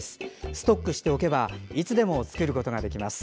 ストックしておけばいつでも作ることができます。